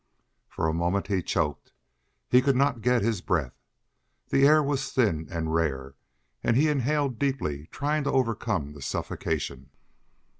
For a moment he choked; he could not get his breath. The air was thin and rare, and he inhaled deeply trying to overcome the suffocation.